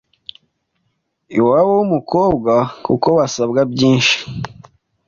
iwabo w’umukobwa, kuko basabwa byinshi